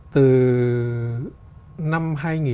từ năm hai nghìn năm